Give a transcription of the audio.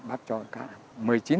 bác cho cá ăn